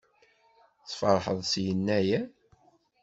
Tfeṛḥeḍ s Yennayer?